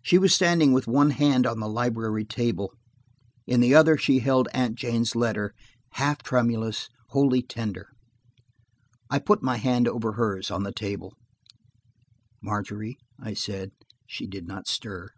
She was standing with one hand on the library table; in the other she held Aunt Jane's letter, half tremulous, wholly tender. I put my hand over hers, on the table. "Margery!" I said. She did not stir.